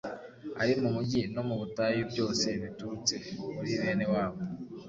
ari mu mugi no mu butayu; byose biturutse muri bene wabo,